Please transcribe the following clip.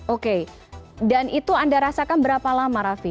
oke dan itu anda rasakan berapa lama raffi